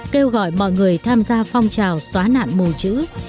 kêu gọi mọi người tham gia phong trào xóa nạn mù chữ